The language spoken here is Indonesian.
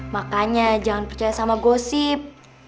makanya jangan percaya sama gosip